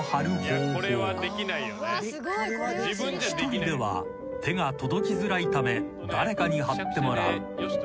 ［１人では手が届きづらいため誰かに貼ってもらう］